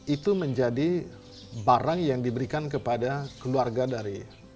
itu menjadi barang yang diberikan kepada keluarga dari